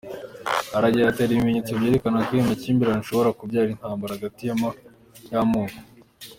Aragira ati : ‘Hari ibimenyetso byerekana ko aya makimbirane ashobora kubyara intambara hagati y’amoko.